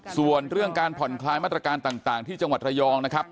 ส่วนเรื่องการผ่อนคลายมาตรการต่างที่จังหวัดระยองนะครับ